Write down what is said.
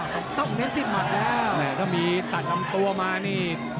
ตั้งทั้งนี้ตะดำตัวมานี่